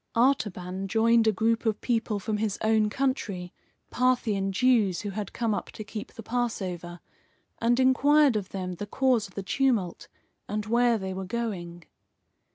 Artaban joined a group of people from his own country, Parthian Jews who had come up to keep the Passover, and inquired of them the cause of the tumult, and where they were going.